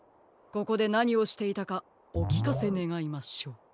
ここでなにをしていたかおきかせねがいましょう。